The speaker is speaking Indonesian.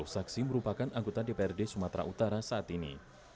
sepuluh saksi merupakan anggota dprd sumatera utara saat ini